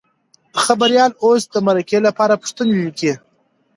خبریال اوس د مرکې لپاره پوښتنې لیکي.